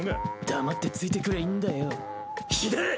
黙ってついてくりゃいいんだよ。